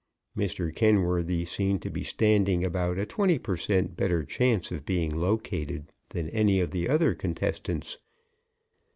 Mr. Kenworthy seemed to be standing about a 20 per cent better chance of being located than any of the other contestants.